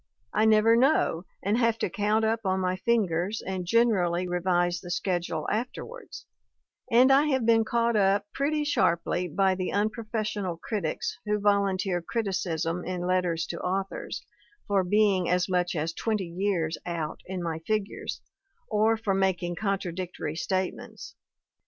I never know, and have to count up on my fingers, and gen erally revise the schedule afterwards; and I have been caugh^up pretty sharply by the unprofessional critics who volunteer criticism in letters to authors, for being as much as twenty years out in my figures, or for mak ing contradictory statements.